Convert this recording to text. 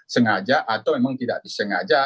sengaja atau memang tidak disengaja